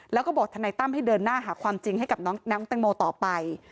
แล้วก็บอกทนายตั้มให้เดินหน้าหาความจริงให้กับน้องแตงโมต่อไป